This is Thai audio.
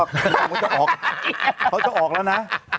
เขาจะออกแล้วนะ